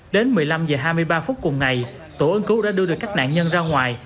đến một mươi năm h hai mươi ba phút cùng ngày tổ ứng cứu đã đưa được các nạn nhân ra ngoài